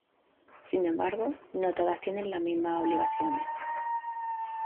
Sin embargo, no todas tienen las mismas obligaciones.